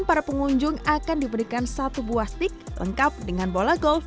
para pengunjung akan diberikan satu buah stick lengkap dengan bola golf